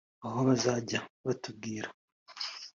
aho bazajya batubwira